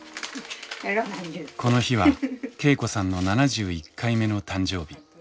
この日は恵子さんの７１回目の誕生日。